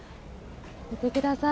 見てください。